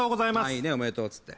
いいねおめでとうっつって。